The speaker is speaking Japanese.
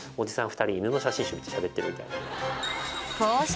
２人犬の写真集見てしゃべってる」みたいな。